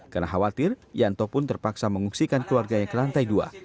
karena khawatir yanto pun terpaksa mengungsikan keluarganya ke lantai dua